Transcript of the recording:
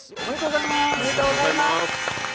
おめでとうございます。